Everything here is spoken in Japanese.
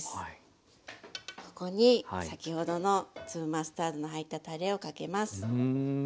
ここに先ほどの粒マスタードの入ったたれをかけます。